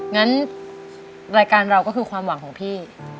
งั้นรายการเราก็คือความหวังของพี่